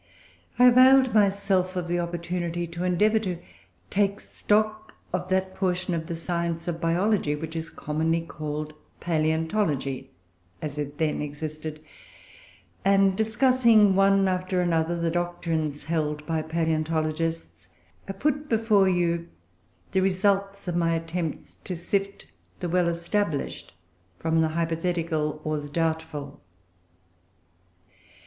I availed myself of the opportunity to endeavour to "take stock" of that portion of the science of biology which is commonly called "palaeontology," as it then existed; and, discussing one after another the doctrines held by palaeontologists, I put before you the results of my attempts to sift the well established from the hypothetical or the doubtful.